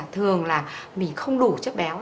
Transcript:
bình thường là mình không đủ chất béo